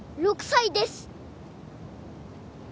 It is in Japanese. ６歳です。